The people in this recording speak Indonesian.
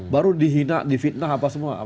baru dihina di fitnah apa semua